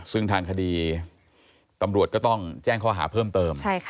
ซึ่งทางคดีตำรวจก็ต้องแจ้งข้อหาเพิ่มเติม